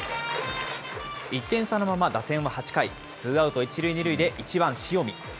１点差のまま打線は８回、ツーアウト１塁２塁で１番塩見。